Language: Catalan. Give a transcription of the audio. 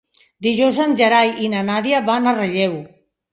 Dijous en Gerai i na Nàdia van a Relleu.